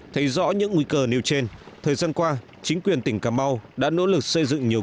thấy rõ những nguy cơ nêu trên thời gian qua chính quyền tỉnh cà mau đã nỗ lực xây dựng nhiều